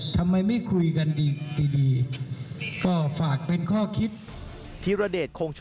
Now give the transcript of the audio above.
ทำไมไม่คุยกันดีก็ฝากเป็นข้อคิด